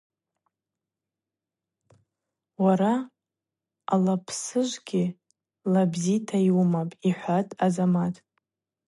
Уара алапсыжвгьи лабзита йуымапӏ, – йхӏватӏ Азамат.